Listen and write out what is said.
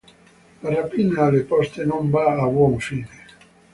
La rapina alle poste non va a buon fine.